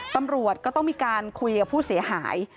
ตำรวจก็ต้องมีการคุยกับผู้เสียหาย